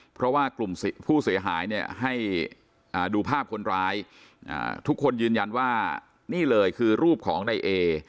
เพราะว่ากลุ่มผู้เสียหายเนี่ยให้ดูภาพคนร้ายทุกคนยืนยันว่านี่เลยคือรูปของนายเอ